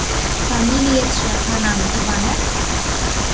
— Фамилиетше, манам, Иванов?